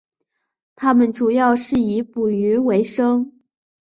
他们主要是以捕鱼维生。